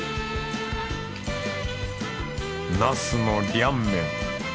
ナスのリャンメン。